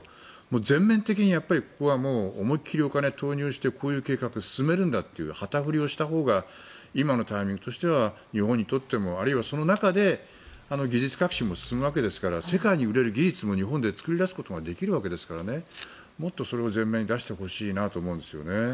全面的にここは思いっ切りお金を投入してこういう計画を進めるんだって旗振りをしたほうが今のタイミングとしては日本にとってもあるいはその中で技術革新も進むわけですから世界に売れる技術も日本で作れるわけですからもっとそれを前面に出してほしいなと思うんです。